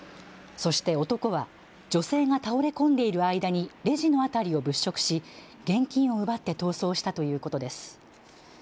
そして男は女性が倒れ込んでいる間にレジの辺りを物色し現金を奪って逃走したということです。